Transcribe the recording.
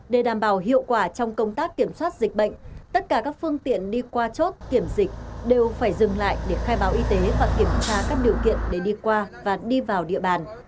để đảm bảo hiệu quả trong công tác kiểm soát dịch bệnh tất cả các phương tiện đi qua chốt kiểm dịch đều phải dừng lại để khai báo y tế và kiểm tra các điều kiện để đi qua và đi vào địa bàn